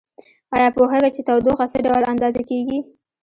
ایا پوهیږئ چې تودوخه څه ډول اندازه کیږي؟